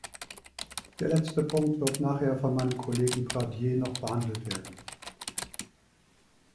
Der letzte Punkt wird nachher von meinem Kollegen Pradier noch behandelt werden.